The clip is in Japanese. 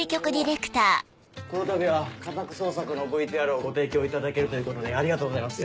このたびは家宅捜索のＶＴＲをご提供いただけるということでありがとうございます。